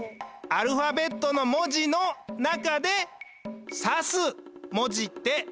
「アルファベットの文字の中でさす文字ってなんだ？」ってこと。